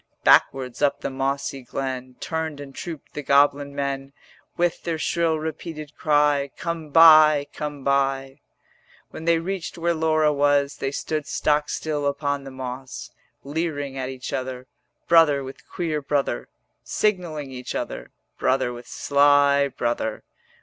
Backwards up the mossy glen Turned and trooped the goblin men, With their shrill repeated cry, 'Come buy, come buy.' 90 When they reached where Laura was They stood stock still upon the moss, Leering at each other, Brother with queer brother; Signalling each other, Brother with sly brother.